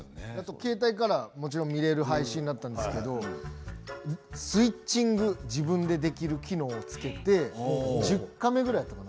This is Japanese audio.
携帯から見られる配信だったんですけどスイッチング自分でできる機能をつけて１０カメぐらいだったかな？